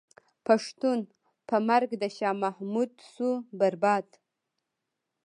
پښتون په مرګ د شاه محمود شو برباد.